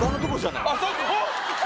あそこ⁉